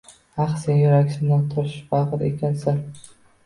-Ah, sen yuraksiz toshbagʻir ekansan...